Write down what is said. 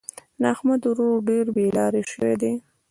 د احمد ورور ډېر بې لارې شوی دی.